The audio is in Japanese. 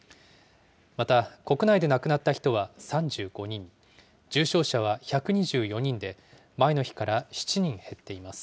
また、国内で亡くなった人は３５人、重症者は１２４人で、前の日から７人減っています。